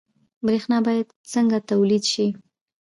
برښنا باید څنګه تولید شي؟